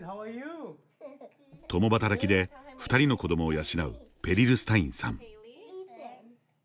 共働きで２人の子どもを養うペリルスタインさん。